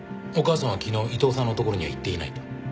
お母さんは昨日伊藤さんのところには行っていないと。